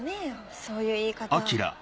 そういう言い方。